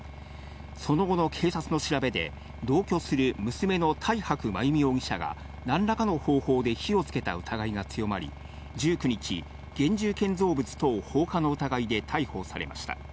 その後の警察の調べで、同居する娘の大白真由美容疑者がなんらかの方法で火をつけた疑いが強まり、１９日、現住建造物等放火の疑いで逮捕されました。